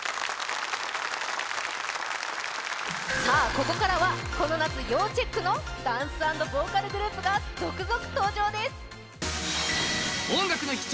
ここからはこの夏要チェックのダンス＆ボーカルグループが続々登場です